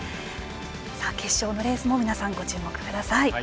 決勝のレースも皆さんご注目ください。